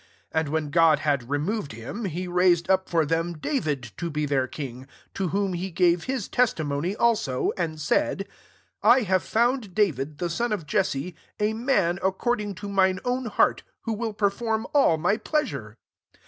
22 And when God had removed him, he raised up for them David to be their king; to whom he gave kit testimony also, and said, ^ I have found David, the wn of Jess6, |^a man] according to mine own heart, who will perform all my plea sure.'